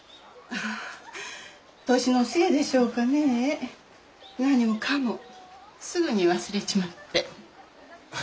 あ年のせいでしょうかねぇ何もかもすぐに忘れちまって。